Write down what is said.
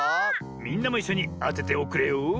みんなもいっしょにあてておくれよ。